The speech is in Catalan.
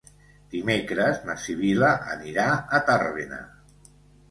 Dimecres na Sibil·la anirà a Tàrbena.